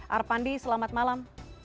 arpandi selamat malam